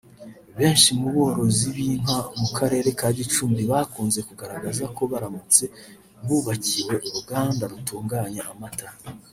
Benshi mu borozi b’inka mu Karere ka Gicumbi bakunze kugaragaza ko baramutse bubakiwe uruganda rutunganya amata